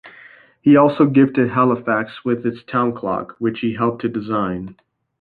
He also gifted Halifax with its Town Clock, which he helped to design.